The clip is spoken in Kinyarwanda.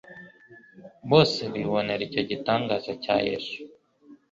bose bibonera icyo gitangaza cya Yesu.